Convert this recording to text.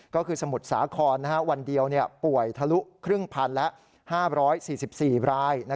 ก็คือสมุทรสาครวันเดียวป่วยทะลุครึ่งพันละ๕๔๔ราย